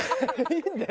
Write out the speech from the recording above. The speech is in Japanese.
いいんだよ！